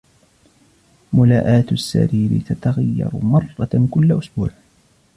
ملاءات السرير تتغير مرة كل أسبوع.